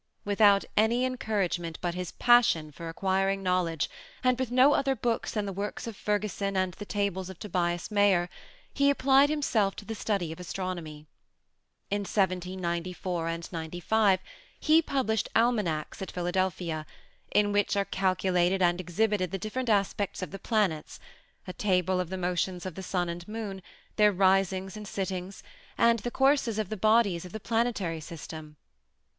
Without any encouragement but his passion for acquiring knowledge, and with no other books than the works of Ferguson and the tables of Tobias Mayer, he applied himself to the study of Astronomy. In 1794 and '95, he published Almanacs at Philadelphia, in which are calculated and exhibited the different aspects of the planets, a table of the motions of the sun and moon, their risings and sittings, and the courses of the bodies of the planetary system.